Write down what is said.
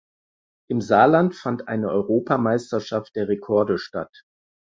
Im Saarland fand eine Europameisterschaft der Rekorde statt.